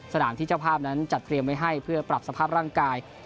สนามที่เจ้าภาพนั้นจัดเตรียมไว้ให้เพื่อปรับสภาพร่างกาย